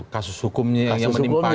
kasus hukumnya yang menimpanya